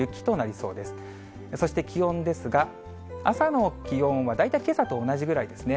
そして気温ですが、朝の気温は大体けさと同じぐらいですね。